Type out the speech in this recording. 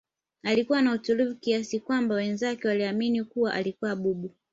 alikuwa na utulivu kiasi kwamba wenzake waliamini kuwa alikuwa bubu